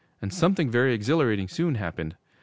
And something very exhilarating soon happened.